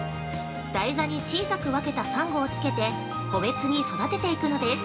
台座に小さく分けたサンゴをつけて、個別に育てていくのです。